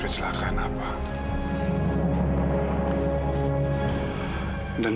pak pak pak